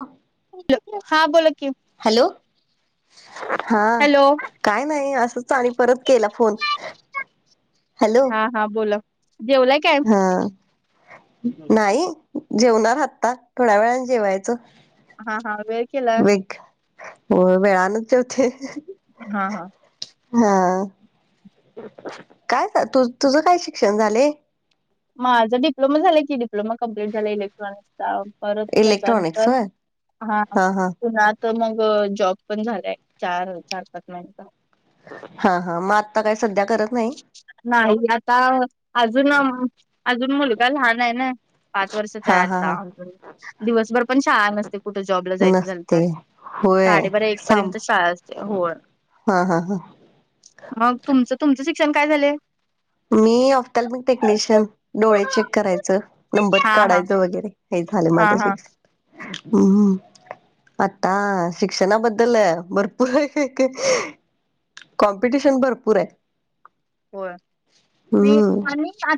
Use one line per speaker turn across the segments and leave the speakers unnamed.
हां.
हा बोला कि
हॅलो हा.
हॅलो
काय नाही असंच आणि परत केला फोन हॅलो.
हा हा बोला जेवला?
हा नाही जेवणार हत्ता थोड्या वेळ जेवायचं.
हा हा वेग
वेग हो वेळानच तेवते
हा हा.
हा. काय तू तुझ काय शिक्षण झाले.
माझा डि्लोमा झालं की डप्लोमा कम्प्लीट झाला इलेक्ट्रॉनिक्सचा परत
इलेक्ट्रॉनिक्स
त्याच्यानंतर
होय
हा पुण्यात तर मग जॉब पण झालंय चार चार पाच महिनचा
हा हा मग आत्ता काही सध्या करत नाही.
नाही आता अजून अजून मुलगा लहान आहे ना. पाच वर्षच आहे
हा हा हा
आता दिवसभर पण शछान नसते कुठं जॉबला जायचं झालं
नसते
तर
होय
साडेबारा एक
सांब
पर्यंत शाळा असते होळ.
हा हा हा.
मग तुमचं तुमचं शिक्षण काय झाले.
मी अफताल मी टेक्निशियन डोळे चेक करायचं नंबर
हा हा
काढायचं वगैरे हे झालं
हा
माझं
हा
शिक्षण हम्मम्. आता शिक्षणाबद्दल भरपूर कॉम्पिटिशन भरपूर आहे.
हो नाही
हम्म
आणि च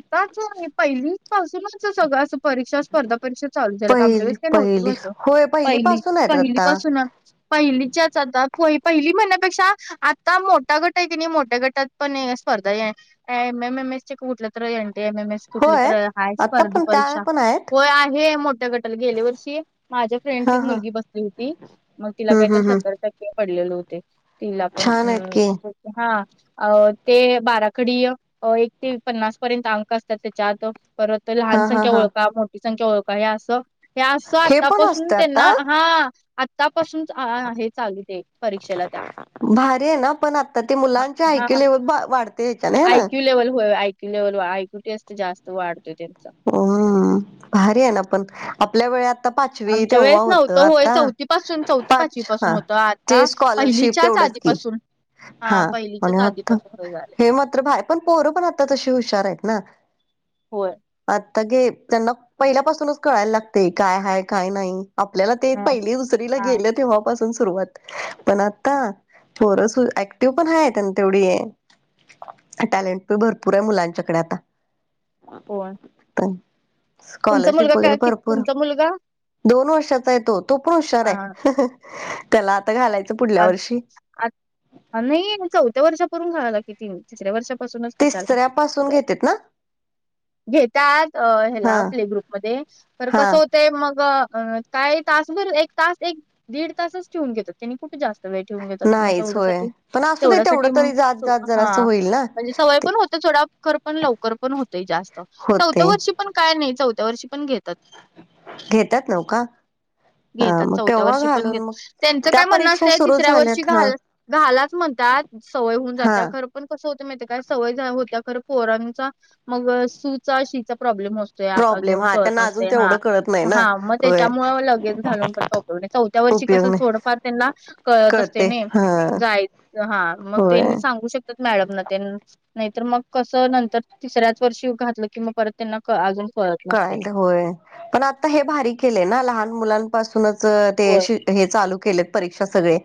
पहिली पासूनच सगळं अस परीक्षा स्पर्धा परीक्षा चालू झाल्या तर आमच्या
पहिली
वेळेस का नव्हतं पन्
पहिली होय
पहिली
पासून आहेत
पहिली
आता
पासून पहिलीच्याच आता पहिली म्हणण्या्यापेक्षा आता मोठा गट आहे कि नाही मोठ्या गटात पण अस. स्पर्धय एम एम एम एसटचेक उठलं तर ए एम एम ए कुठली तर
होय.
आहेा
आता
स्पर्धी
पण त्या
परीक्षा
पण आहेत
होय आहे मोठ्या गटाला गेल्या वर्षी माझ्या फ्रेंड
हा हा
मग तिला
हम्म
काय तर
हम्म हम्म
सत पडलेले होते तिला पण
छान आहेत की
हा अ ते बाराखडी एक ते पन्नास पर्यंत अंक असतात त्याच्यात परत तर लहान
हा हा
संख्या
हा
ओळख मोठी संख्या ओळख ह असं हे असं
हे पण
आतापासून
असतं
त्यांना
आता
हा आतापासून हे चालू ते परीक्षेला त्या
भारी आहे ना पण आता ते मुलांचे
हा
ऐक्य लेवल वाढत
आयक्यू लेव्हल हो आयक्यू लेव्हल आयक्यू टी असते जास्त वाढतोय त्यांचा
हो भारी आहे ना पण आपल्या वेळत
आमच्या वेळेस नव्हतं होय चौथीपसून चौथी पाचवी
पाच
पासून
हा
होतं
ते
आता
स्कॉलरशिप
पहिलीच्याच
तेवढंच
आधी
की
पासून
हा म्हणे होत हे मात्र बाय पण पोहर पण आता तशी हुशार आहेत ना
होय
आता गे त्यांना पहिल्यापासूनच कळायला लागते काय ह काय नाही आपल्याला ते
ह
पहिले दुसरीला
हा
गेले तेव्हा पा सुरुवात पण आता थोरस ऍक्टिव्ह पण ह त्यां तेवढी टॅलेंट प भरपूर आहे मुलांच्याकडे आता
हो
स्कॉलरशिप
काय
वगैरे
कि
भरपूर
तुमचा मुलगा
दोन वर्षाचा आहे तो तो पण हुशार
हा
आहे त्याला
नाही चौथ्या वर्षापूरून खा लागेल किती तिसऱ्या वर्षापासूनच कशा आला
तिसऱ्या पासून घेतेत ना
घेतात
हा
ह्याला प्ले ग्रुपमध्येध्ये तर
हा
कसं होत ते मग अ काही तासभर एक तास ठेवून घेतात मग
नाहीच होय
तेवढ्यासाठी
पण असू दे तेवढं
तेवढ्यासाठी मग
तरी जात जात जरासं
हा
होईल ना
म्हणजे सवय
ते
पण होत थोडा ख पण लवकर पण होत जास्त चौथ्या
होते
वर्ष पण काय नाही चौथ्या वर्षी पण घेतात
घेतात नव का? हा
घेतात
मग
चौथ्या
तेव्हा
वर्षी पण
घालून
घेत
मग
त्यांच
त्या
पन्नास
परीक्षा सुरू
तिसऱ्या वर्षी
झाल्यात
घ
हं
घालाच म्हणतात सवय होऊन
हा
जात पण कस होत मा काय सवय होत खर पोरांचा मग सूचा शीचा प्रॉब्ले
प्रॉब्लेम
अजून
हा
करत
त्यांना अजून
मते हा
तेवढं कळत नाही ना
हा मग
होय
त्याच्यामु लगेच घालून पण चौ वर्ष कस
उपयोग नाही
थोडंफार त्यांना कळत असते
कळते हा
जाय हा मग
होय
त्यांनी सांगू शक मॅडम ना नाहीतर मग कस नंतर तिसऱ्याच वर्षी घातलं की मग परत त्यांना अजून परत
कळायल तर होय पण आता हे भारी केलेय ना लहान मुलां पाून
होय.
चालू केले परीक्षा सगळे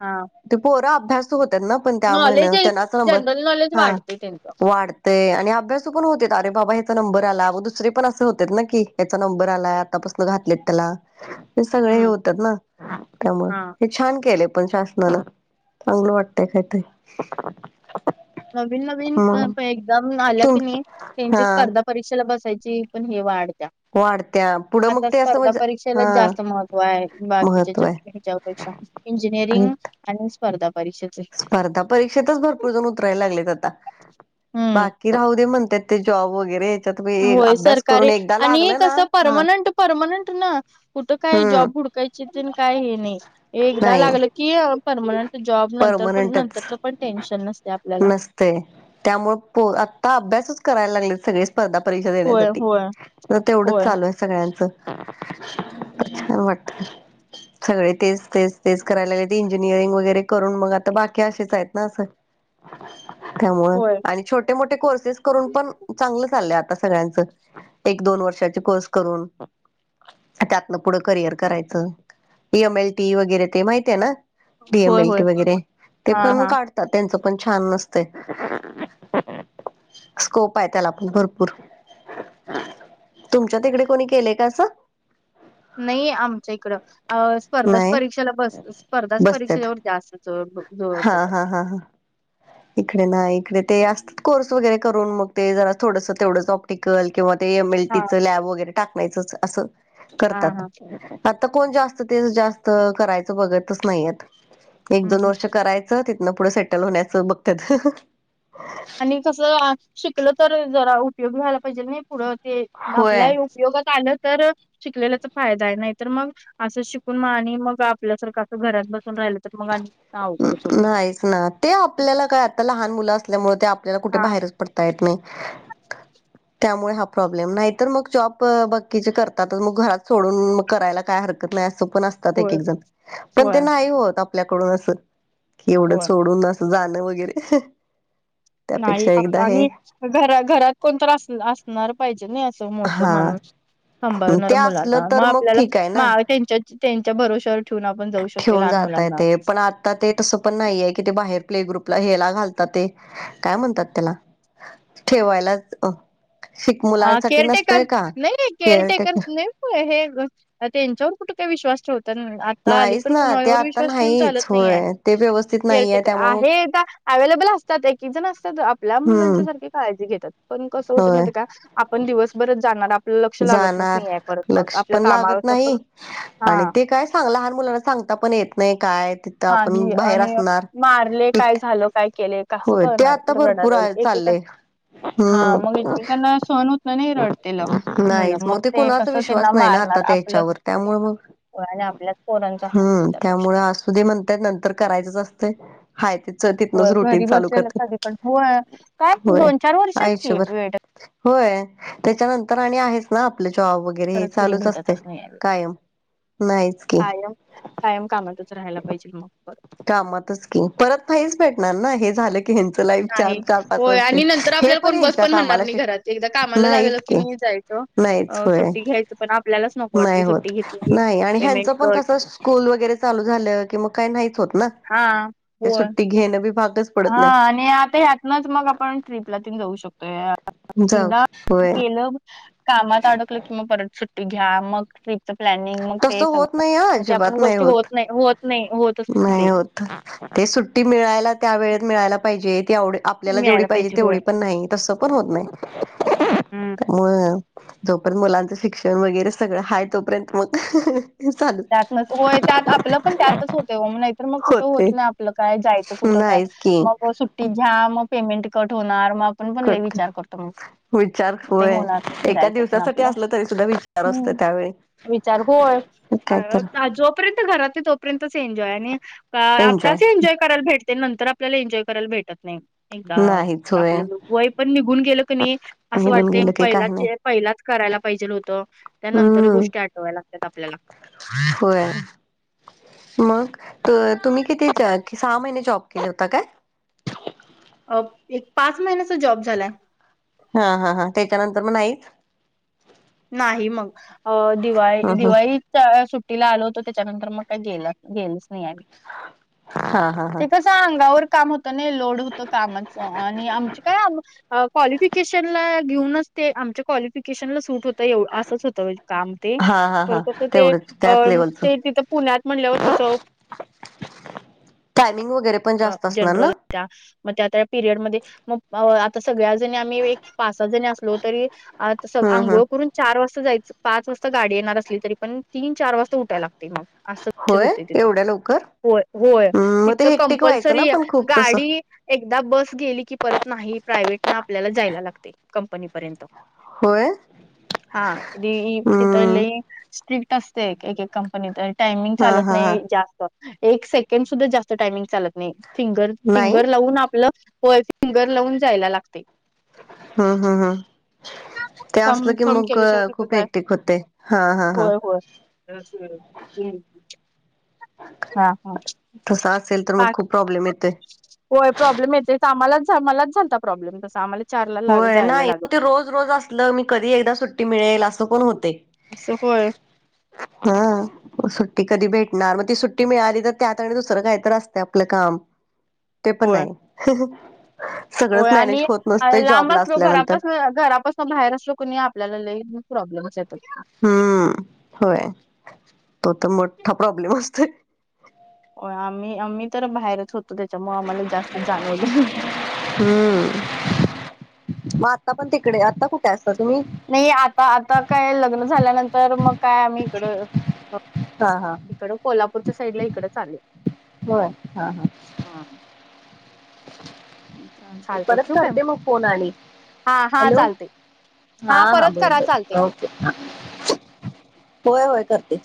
हा
ते पोरा
नॉलेज आहे जनरल नॉलेज वाढते त्यांचं
अभ्या ते आणि अभ्यास पण होत अरे बाबा ह्याचा नंबर आला दु पण असं होते ना की याचा नंबर आला आतापासून घातलेत त्याला ते सगळे हे
हम्म
होतात ना त्यामुळे
हा.
छान केले पण शासनाला चांगलं वाटतय कायत
नवीन नवीन प एकदम आल्या
तुम
की नाही त्यांची
हा
स्पर्धा परीक्षेला बसायची पण हे वाढत्या
वाढत्या पुढं मग
आता
ते असं
स्पर्धा
म्हणजे
परीक्षेलाच
हा
जास्त महत्व आहे बाकीच्या
महत्त्व आहे
ह्याच्यात ह्याच्यापेक्षा
आणि
इंजिनिअरिंग आणि स्पर्धा परीक्षाचे
स्पर्धा परीक्षेतच भरपूर जण उतरायला लागलेत आता
हम्म
बाकी राहू दे म्हणतात ते जॉब वगैरे याच्यात
होय
अभ्यास करून
सरकारी
एकदा
आणि
लागलं ना
कसं
हा
परमानंट परमनंट ना कुठं काय
हम्म
जॉब हुडकायची काय हे नाही एकदा
नाही
लागलं कि परर्मनंट जॉब नंतर पण
परमनंटच
नंतरचं पण टेन्शन नसते आपल्याला.
नसते त्यामुळे पो आता अभ्यासच करायला लागले सगळे. स्पर्धा परीक्षा
होय
देण्यासाठी
होय
तर तेवढंच
होय
चालू आहे सगळ्यांच. छान वाटत सगळे तेच तेच तेच करायला लागलेत इन रिंग वैरे करून म आ बाकी असच आहेत ना अस त्यामुळे
होय.
आणि छोट मोठे मोठे कोर्सेस करून पण चांगलं चाललं आता सगळ्यांच एक दोन वर्षाचे कोर्स करून प त्यातनं पुढं करियर करायचं डी एम एल टी वगैरे ते माहितीये ना. डी एम
होय
एल
होय
टी वगैरे ते
हा
पण
हा
काढतात त्यांच पण छान असतय. स्कोप आहे त्याला पण भरपूर. तुमच्या तिकडे कोणी केले का असं.
नाही आमच्या इकडं अ स्पर्धा
नाही
परीक्षेला बस स्पर्धाच
बसतात
परीक्षेच्यावर जास्त जो जोड
हा
देतात.
हा हा. इकडे ना इकडे ते असतात कोर्स वगैरे करून मग ते जरा थोडंस तेवढंच ऑप ते कल किंवा ते एम एल टी
हा.
च लॅब वगैरे टाकण्यायचं अस
हा
करतात.
हा
आता कोण जास्त ते जास्त करायचं बघतच नाहीय एक
हम्म
दोन
हम्म
वर्ष कराय च तिथनं पुढं सेटल होण्याचं बघत्यात.
आणि कसं शिकल तर जरा उपयोग व्हायला पाहिजे नाही. पुढं ते
होय.
आपल्याही उपयोगात आलं तर शिकलेल्याचा फायदा आहे नाही तर मग असं शिकून आणि मग आपल्यासारखं असं घरात बसून राहिलं मग आणि अवघडच होते मग.
नाहीच ना ते आपल्याला काय आता लहान मुलं असल्यामुळे ते आपल्याला कुठे
हा
बाहेरच पडता येत नाही त्यामुळे हा प्रॉब्लेम नाही तर मग जॉब बकीचे करतातच मग घरात सोडून मग करायला काय हर करण्यात सोप नस जातात एक
होय.
एक जण पण ते
होय
नाही होत आपल्याकडून अस क एवढं
होय.
सोडून जा जाणं वगैरे त्यापेक्षा एकदा हे
घर घरात कोणत अस असणार पाहिजे नाही असं मोठ
हा
माणूस सांभाळणार
ते असलं
मुलांना मग
तर
आपल्याला
ठीक आहे ना
मा त्यांच्या त्यांच्या भरोश्यावर ठेवून आपण जाऊ शक
ठेऊन जात येते पण आत ते तसं पण नाहीये कि ते बाहेर प्ले ग्रुपला हेला घालतात ते काय म्हणतात त्याला ठेवायलाच अ
अ केअरटेकर नाही केअरटेकर न हे [unintelligible] त्यांच्यावर कुठे काय विश्वास ठेवत तर आता
नाहीच
अलीकड
ना ते
कुणावर
आता
विश्वास ठेवून चालत
नाहीच
नाही ये
होय ते व्यवस्थित नाहीये
केळटेकर
त्यामुळे
आहे त अवेलेबल असतात एक एक जण असतात आपल्या
हम्म
मुलांच्या सारखे काळजी घेतात पण कस होत
होय
माहिती ये का आपण दिवसभराच जाणार आप
जाणार लक्ष पण लागत
कामावर पण
नाही
हा
आणि ते काय चांग लहान मुलांना सांगता पण येत नाही काय ते
नाही आणि मारले काय झालं काय केले कसं
होय ते
करणार
आता
रडयला
भरपूर आहे
लागले एकेका
चाललंय
हा
हम्म
मग एक ऐकांना सहण होत नाही रड तेल
नाहीच
मुलं मग ते
कुणाचा
कस ते
विश्वास
न
नाही ना
मारणार
आता
आपल
त्याच्यावर त्यामुळे मग
ने आपल्या पोरांचा हाल होस त्यापेक्षा
त म्हणतात नंतर करायचंच असत हाय ते.... तिथनच
होय
रुटीन
घरी
चालू
बसलेलं कधी
करतात
पण होय काय
होय
दोन चार वर्षात की
आयुष्यभर....
भेटत
होय त्याच्यानंतर आणि आहेच ना आपले जॉब वगैर.... वगैरे हे
परत फ्री
चालूच असते
भेटतच नाही यावेळी.
कायम नाहीच की
कायम कायम कामातच राहायला पाहिजे मग त
कामातच की परत फाईच भेटणार ना हे झालं की हे लाईफ
नाही.
चार चार पाच
होय
वर्ष
आणि नंतर
हे
आपल्याला
पण
कोण बस
हच्या
म्हणणार
कामाला
नाही
श
घरात. एकदा कामाला लागलं
नाहीच की....
मी जायचं.
नाहीच
अ,
होय
सुट्टी घ्यायचं पण आपल्यालाच नको
नाही
वाटते
होत
सुट्टी घेतली,
नाही आणि
पेमेंट
ह्यांचं पण
कट.
कसं..... स्कूल वगैरे चालू झालं कि मग काही नाहीच होत ना
हां.
ते
होय.
सुट्टी घेणं बी भागच...... पडत
हा
नाही.
आणि आता ह्यातनच मग आपण ट्र्रीपला तेन जाऊ शकतो.....
जाऊ
एकदा
होय
गेलं कामात अडकलं कि म परत सुट्टी घ्या मग..... ट्रिपचं प्लॅनिंग मग ते
तसं होत
सगळं
नाही हा
मग ते आपण
अजिबात नाही
गोष्टी होत नाही होत नाही होत असते
नाही
ते...
होत ते सुट्टी मिळायला त्या वेळेत मिळायला पाहिजे ते एवढ... आपल्याला जेवढी
मिळायला
पाहिजे
होय.
तेवढी पण नाही तस पण होत नाही....
हम्म.
मग जोपर्यंत मुलांचं शिक्षण वगैरे सगळं आहे तोपर्यंत मग.... चालू
त्यात म होय त्यात आपलं पण त्यातच होतग नाहीतर मग कुठं होत
होते
नाही आपलं काय जायचं कुठं काय.....
नाहीच की
मग सुट्टीत घ्या मग पेमेंट कट होणार मग.... आपण पण ल
कट
विचार करतो
विचार
मग ते
होय
होणार
एका
फिरायचं पण
दिवसासाठी
आपलं.....
असलं तरी सुद्धा विचार असतो
हम्म
त्यावेळी
विचारूय....
काय तर
अ जोपर्यंत घरात आहे तोपर्यंतच एन्जॉय आणि आताच एन्जॉय करायला भेट..... ते नंतर आपल्याला एन्जॉय करायला भेटत नाही.... एकदा
नाहीच होय
आपलं वय पण निघून गेलं क नाही असं
निघून
वाटत
गेलं की
पहिला
काही
च.....
नाही
पहिलाच करायला पाहिजेल होतं त्यानंतर गोष्टी आठवा्या लागतात आपल्याला....
हो... मग तुम्ही किती सहा महिने जॉब केले होता का?
अ एक पाच महिन्याचा जॉब झालाय.....
हा हा हा त्याच्यानंतर मग नाहीच.....
नाही मग अ दिवाळी
हा
दिवाळी सुट्टीला आल होतं त्याच्यानंतर मग काय गेलं..... गेलच नाही आ
हा हा हा
तेच..... अंगावर काम होत नाही लोड होत कामाच आणि आमच काय? क्वालिफिकेशन ला घेऊनच ते आमच्या क्वालिफिकेशनला सूट हो..... एव असंच होतं काम..... ते
हा हा हा
कस ते
तेवढंच त्याच
ते तिथं पुण्यात म्हणल्यावर कसं.....
टामिंग वगैरे.... पण जास्त असणार ना
जनरल मग त्या त्या पिरियडमध्ये..... मग आता सगळ्याजणी आम्ही एक पाच सात जणी असलो तरी..... आ
हम् हम
अंघोळ करून चार वाजता जायचं पाच वाजता गाडी येणार असली तरी पण तीन चार वाजता..... त उटा लागते मग असं
होय
होते तिथं.
एवढ्या लवकर
होय होय
मग ते
तिथं
हेक्टिक व्हायचं ना
कंपल्सरी
पण खूप तसं
गाडी.... एकदा बस गेली की परत नाही प्रायव्हेट ना आपल्याला जायला लागते कंपनीपर्यंत....
होय.....
हा की तथ
हम्म
लई स्ट्रिक्ट असते एक एक कंपनीत... टायमिंग
हा
चालत
हा हा
नाही जास्त एक सेकंड सुद्धा जास्त टाइमिंग चालत नाही.... फिंगर
नाही
फिंगर लावून आपलं व फिंगर लावून जायला लागते.....
हम् हम् हम् ते
थंब
असलं की
थंब
मग
केल्याशिवाय तिथं
खूप
जाय
क्टिक होते हा हा हा.....
ह हम हम..... हा हा
तसं असेल तर मग
ह.......
खूप प्रॉब्लेम येतोय.
होय प्रॉब्लेम येते आम्हाला आम्हालाच झालता प्रॉब्लेम तसं आम्हाला.... चारला लाग
होय
जायला
नाही मग
लागत
ते
होत
रोज रोज असलं मी कधी एकदा सुट्टी मिळेल असं पण होते....
होय.....
हा..... सुट्टी कधी भेटणार मग ती सुट्टी मिळाली तर त्यात आणि दुसरं काहीतरी असते आपलं काम..... ते पण
होय
नाही सगळंच
होय
मॅनेज
आणि
होत नसत....
लांब अस लो घरापासून घरापासून बाहेर असलो कणी नाही आपल्याला लई प्रॉब्लेम्स येतात.
हम्म होय तो तर मोठा प्रॉब्लेम असतोय.
हो आम्ही आम्ही तर बाहेरच होतो त्याच्यामुळे आम्हाला जास्त जाणवलं
हम्म मग आता पण तिकडे आता कुठे असता तुम्ही.
नाही आता आता काय लग्न झाल्यानंतर मग काय आम्ही इकडं.
हा हा
इकडं कोल्हापूरच्या साईड ला इकडें आले.
होय हा हा ते
चालतंय
परत
ठेवू काय?
करते मग फोन आणि
हा हा
हॅलो.
चालतंय.
हा हा
परत
बर
करा चालतंय.
बर के होय होय करते.